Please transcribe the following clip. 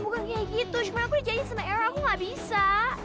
karena aku dijanjikan sama eraw aku gak bisa